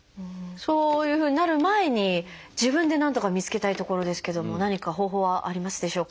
そういうふうになる前に自分でなんとか見つけたいところですけども何か方法はありますでしょうか？